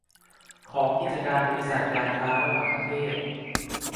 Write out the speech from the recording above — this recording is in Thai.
ของกิจการบริษัทการค้าระหว่างประเทศ